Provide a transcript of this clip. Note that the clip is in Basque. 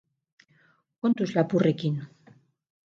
Kontuz lapurrekin!